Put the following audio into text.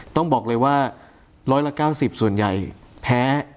ต้องบอกเลยว่า๑๙๐ส่วนใหญ่แพ้